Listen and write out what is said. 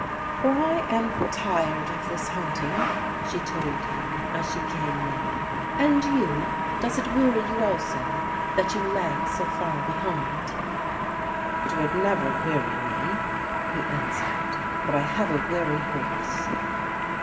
"For I am tired of this hunting," she told him, as she came near. "And you? Does it weary you also, that you lag so far behind?" "It would never weary me," he answered; "but I have a weary horse."